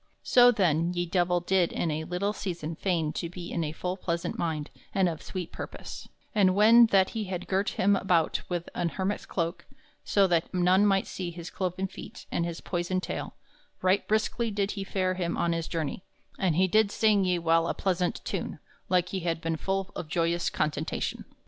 So then ye Divell did in a little season feign to be in a full plaisaunt mind and of sweet purpose; and when that he had girt him about with an hermit's cloak, so that none might see his cloven feet and his poyson taile, right briskly did he fare him on his journey, and he did sing ye while a plaisaunt tune, like he had ben full of joyous contentation.